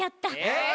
えっ！？